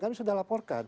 kami sudah laporkan